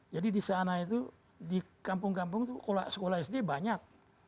jadi di sana itu di kampung kampung itu sekolah sd banyak